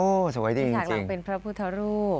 โอ้สวยดีจริงที่ถ้างล่างเป็นพระพุทธรูป